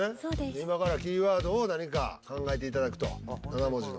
今からキーワードを何か考えていただくと７文字の。